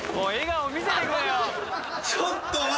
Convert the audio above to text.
ちょっと待。